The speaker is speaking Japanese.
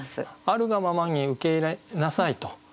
あるがままに受け入れなさいと。